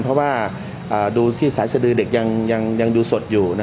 เพราะว่าดูที่สายสดือเด็กยังดูสดอยู่